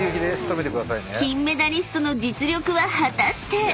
［金メダリストの実力は果たして⁉］